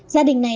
gia đình này